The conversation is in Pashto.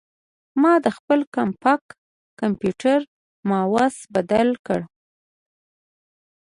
ما د خپل کمپاک کمپیوټر ماؤس بدل کړ.